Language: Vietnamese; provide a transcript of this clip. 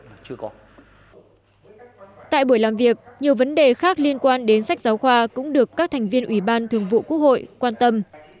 tại buổi làm việc nhiều vấn đề khác liên quan đến sách giáo khoa cũng được các thành viên ủy ban thường vụ quốc hội quan tâm